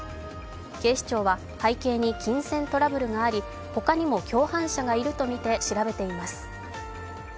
警視庁は背景に金銭トラブルがあり、他にも共犯者がいるとみて調べています。